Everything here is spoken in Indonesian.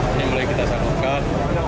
ini mulai kita sambungkan